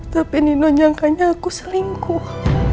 tapi nino nyangkanya aku selingkuh